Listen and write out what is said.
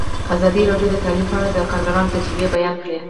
ازادي راډیو د تعلیم په اړه د کارګرانو تجربې بیان کړي.